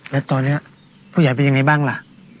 แล้วตอนนี้ผู้ใหญ่เป็นยังไงบ้างล่ะ